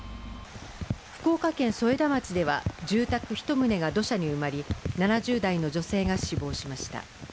福岡県添田町では住宅１棟が土砂に埋まり、７０代の女性が死亡しました。